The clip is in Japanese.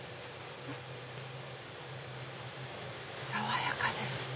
爽やかです。